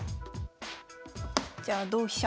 じゃあ同飛車。